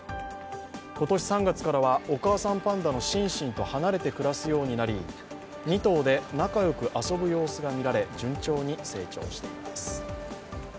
今年３月からはお母さんパンダのシンシンと離れて暮らすようになり、２頭で仲良く遊ぶ様子が見られ順調に成長しています。